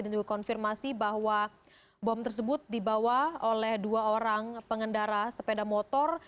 dan juga konfirmasi bahwa bom tersebut dibawa oleh dua orang pengendara sepeda motor